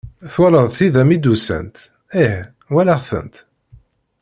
Twalaḍ tida mi d-usant? Ih walaɣ-tent.